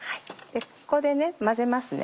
ここで混ぜますね。